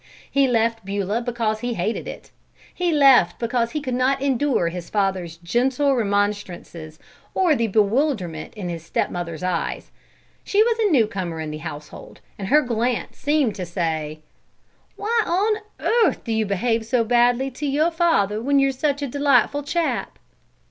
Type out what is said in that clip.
He left Beulah because he hated it. He left because he could not endure his father's gentle remonstrances or the bewilderment in his stepmother's eyes. She was a newcomer in the household and her glance seemed to say: "Why on earth do you behave so badly to your father when you're such a delightful chap?"